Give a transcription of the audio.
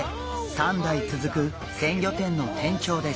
３だいつづく鮮魚店の店長です。